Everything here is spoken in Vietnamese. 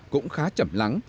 cũng khá chậm lắng